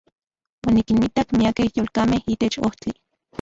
Onikinmitak miakej yolkamej itech ojtli.